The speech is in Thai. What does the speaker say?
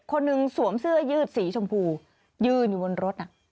คนหนึ่งสวมเสื้อยืดสีชมพูยืนอยู่บนรถน่ะ